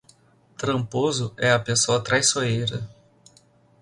Tramposo é a pessoa traiçoeira